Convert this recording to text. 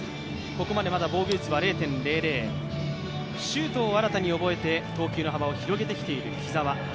ここまでまだ防御率は０．００、シュートを新たに覚えて投球の幅を出してきている木澤。